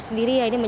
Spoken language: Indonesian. tidak ada penurunan